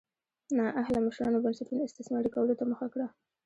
نااهله مشرانو بنسټونو استثماري کولو ته مخه کړه.